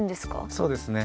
そうですね。